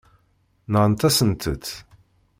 Nɣant-asent-t.